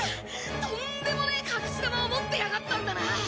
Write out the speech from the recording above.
とんでもねえ隠し球を持ってやがったんだな！